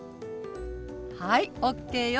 はいＯＫよ。